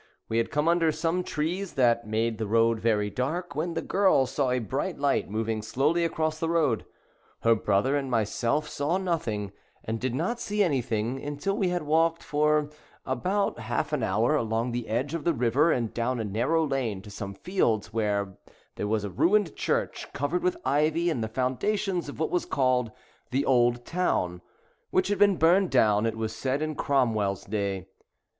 We had come under some trees that made the road very dark, when the girl saw a bright light moving slowly across the road. Her brother and my self saw nothing, and did not see anything until we had walked for about half an i37 The hour along the edge of the river and Twilight, down a narrow lane to some fields where there was a ruined church covered with ivy, and the foundations of what was called "the Old Town," which had been burned down, it was said, in Cromwell's day.